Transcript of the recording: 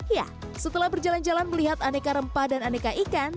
ya setelah berjalan jalan melihat aneka rempah dan aneka ikan